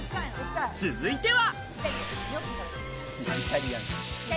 続いては。